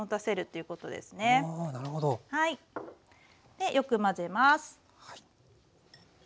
でよく混ぜます。